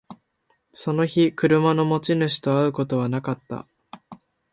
その日、車の持ち主と会うことはなかった